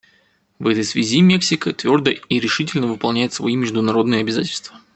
В этой связи Мексика твердо и решительно выполняет свои международные обязательства.